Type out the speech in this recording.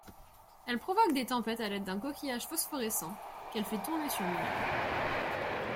Elle provoque des tempêtes à l'aide d'un coquillage phosphorescent qu'elle fait tourner sur lui-même.